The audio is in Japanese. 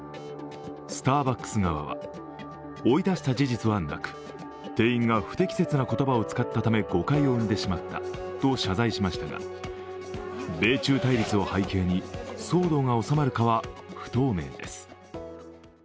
スターバックス側は、追い出した事実はなく、店員が不適切な言葉を使ったため誤解を生んでしまったと謝罪しましたが米中対立を背景に騒動が収まるかは不透明です。